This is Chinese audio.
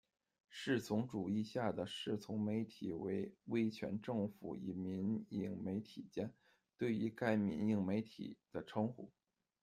侍从主义下的侍从媒体为威权政府与民营媒体间，对于该民营媒体的称呼。